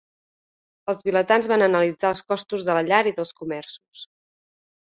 Els vilatans van analitzar els costos de la llar i dels comerços.